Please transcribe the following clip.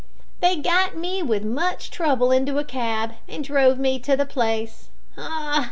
They got me with much trouble into a cab, and drove me to the place. Ah!